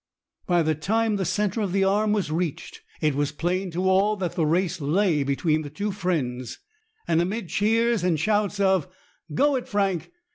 By the time the centre of the Arm was reached, it was plain to all that the race lay between the two friends, and amid cheers and shouts of "Go it, Frank!"